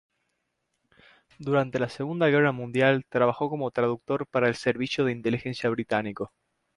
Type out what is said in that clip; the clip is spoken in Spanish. Durante la Segunda Guerra Mundial trabajó como traductor para el Servicio de Inteligencia Británico.